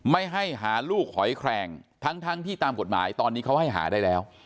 ไม่ให้หาลูกหอยแคลงทั้งที่ตามกฎหมายตอนนี้เขาให้หาได้แล้ว